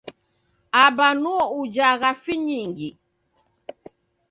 Aba nuo ujagha finyingi.